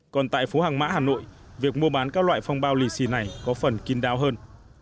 còn tại phố hàng mã hà nội việc mua bán các loại phong bao lì xì này có phần kín đáo hơn